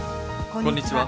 こんにちは。